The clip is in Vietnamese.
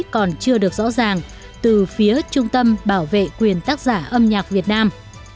còn chưa được rõ ràng từ phía trung tâm bảo vệ quyền tác giả âm nhạc việt nam